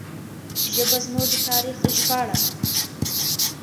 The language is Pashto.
ژبه زموږ د تاریخ ژباړه ده.